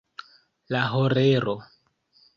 La horero.